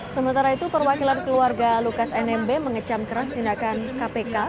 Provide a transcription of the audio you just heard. sementara itu perwakilan keluarga lukas nmb mengecam keras tindakan kpk